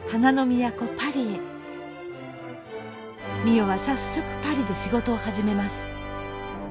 美世は早速パリで仕事を始めます。